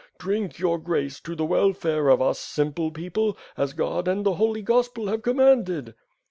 Drink, vour grace, to the welfare of us, simple people; as God and the Holy Gospel have commanded."